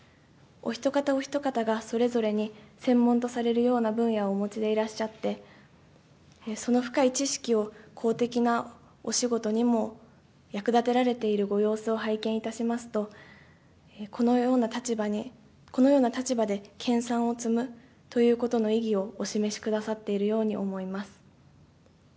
お一方、お一方がそれぞれに、専門とされるような分野をお持ちでいらっしゃって、その深い知識を、公的なお仕事にも役立てられているご様子を拝見いたしますと、このような立場で研さんを積むということの意義をお示しくださっているように思います。